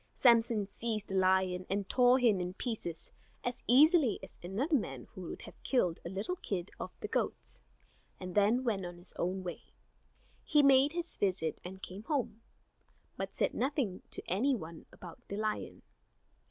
Samson seized the lion, and tore him in pieces as easily as another man would have killed a little kid of the goats, and then went on his way. He made his visit and came home, but said nothing to any one about the lion.